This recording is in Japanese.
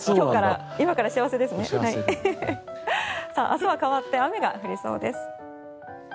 明日は変わって雨が降りそうです。